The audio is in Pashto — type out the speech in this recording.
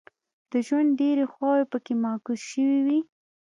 د ژوند ډیرې خواوې پکې منعکس شوې وي.